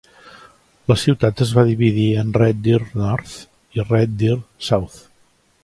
La ciutat es va dividir en Red Deer-North i Red Deer-South.